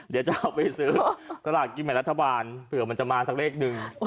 เดี๋ยวจะเอาไปซื้อสลากกินแบ่งรัฐบาลเผื่อมันจะมาสักเลขหนึ่ง